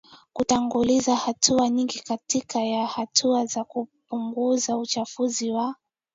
kutanguliza hatua Nyingi kati ya hatua za kupunguza uchafuzi wa